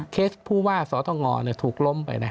ผู้ว่าสตงถูกล้มไป